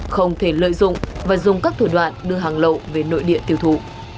không thể lợi dụng và dùng các thủ đoạn đưa hàng lậu về nội địa tiêu thụ